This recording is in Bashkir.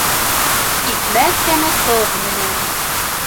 Икмәк тәме тоҙ менән.